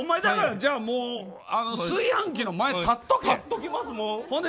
じゃあ炊飯器の前立っとけ。